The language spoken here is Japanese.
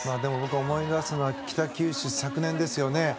思い出すのは北九州昨年ですよね。